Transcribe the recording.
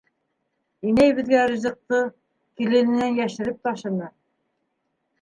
Инәй беҙгә ризыҡты... килененән йәшереп ташыны.